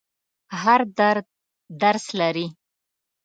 هر درد درس لري.